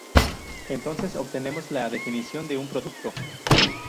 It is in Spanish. Entonces obtenemos la definición de un producto.